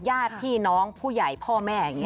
ญาติพี่น้องผู้ใหญ่พ่อแม่